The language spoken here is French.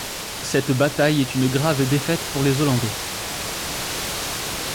Cette bataille est une grave défaite pour les Hollandais.